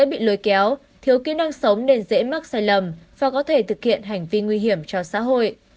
bị lôi kéo thiếu kỹ năng sống nên dễ mắc sai lầm và có thể thực hiện hành vi nguy hiểm cho xã hội